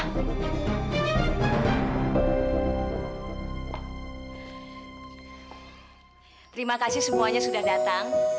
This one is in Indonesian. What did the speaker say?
terima kasih semuanya sudah datang